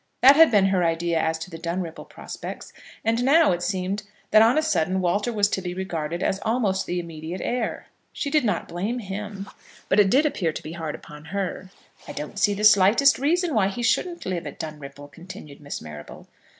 That had been her idea as to the Dunripple prospects; and now it seemed that on a sudden Walter was to be regarded as almost the immediate heir. She did not blame him; but it did appear to be hard upon her. "I don't see the slightest reason why he shouldn't live at Dunripple," continued Miss Marrable.